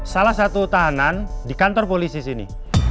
salah satu tahanan di kantor polisi sini